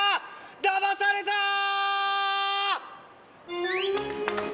だまされたー！